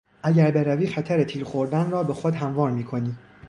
اگر بروی خطر تیر خوردن را به خود هموار میکنی.